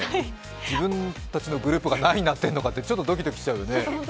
自分たちのグループが何位になっているのかってちょっとドキドキしちゃうよね。